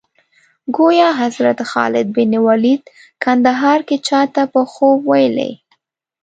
ګویا حضرت خالد بن ولید کندهار کې چا ته په خوب ویلي.